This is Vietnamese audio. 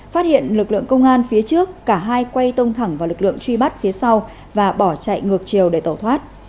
phát hiện lực lượng công an phía trước cả hai quay tông thẳng vào lực lượng truy bắt phía sau và bỏ chạy ngược chiều để tẩu thoát